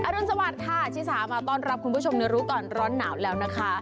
รุนสวัสดิ์ค่ะชิสามาต้อนรับคุณผู้ชมในรู้ก่อนร้อนหนาวแล้วนะคะ